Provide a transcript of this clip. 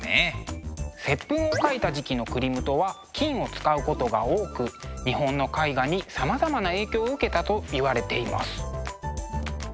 「接吻」を描いた時期のクリムトは金を使うことが多く日本の絵画にさまざまな影響を受けたといわれています。